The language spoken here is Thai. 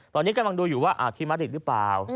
ตอนนี้กำลังดูอยู่ว่าทิมริตหรือเปล่า